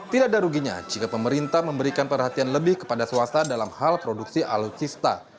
tidak ada ruginya jika pemerintah memberikan perhatian lebih kepada swasta dalam hal produksi alutsista